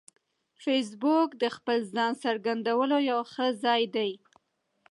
فېسبوک د خپل ځان څرګندولو یو ښه ځای دی